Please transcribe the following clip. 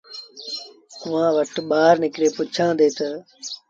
اُئآݩٚ وٽ ٻآهر نڪري پُڇيآندي تا